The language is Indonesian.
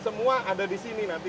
semua ada di sini nanti